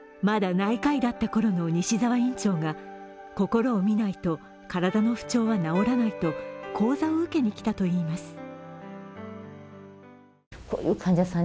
まだ内科医だったころの西澤院長が心を見ないと体の不調は治らないと講座を受けに来たといいます。